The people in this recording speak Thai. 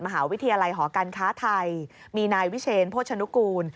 มหาวิทยาลัยหอการค้าไทยมีนายวิเชนโภชนุกูล